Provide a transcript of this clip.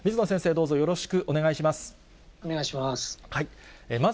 どうぞよろしくお願いしお願いします。